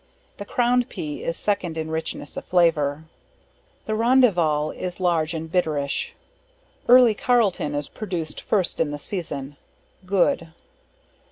The Crown Pea, is second in richness of flavor. The Rondeheval, is large and bitterish. Early Carlton, is produced first in the season good.